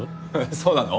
そうなの？